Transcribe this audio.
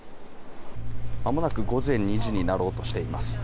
まもなく午前２時になろうとしています。